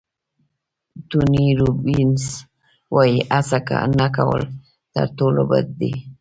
ټوني روبینز وایي هڅه نه کول تر ټولو بد دي.